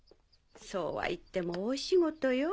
そうはいっても大仕事よ。